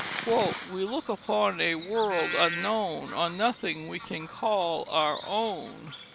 "We look upon a world unknown, On nothing we can call our own."